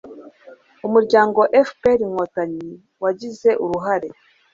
umuryango fpr-inkotanyi wagize uruhare